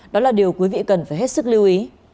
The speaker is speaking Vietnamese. đó là điều quý vị cần phải hết sức lưu ý